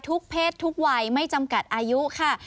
เพศทุกวัยไม่จำกัดอายุค่ะ